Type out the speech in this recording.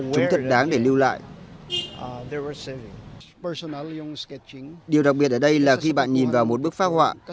chúng thật đáng để lưu lại điều đặc biệt ở đây là khi bạn nhìn vào một bức phá họa